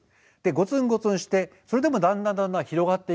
ゴツンゴツンしてそれでもだんだんだんだん広がっていくんだ。